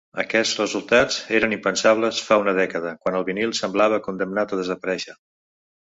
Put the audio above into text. Aquests resultats eren impensables fa una dècada, quan el vinil semblava condemnat a desaparèixer.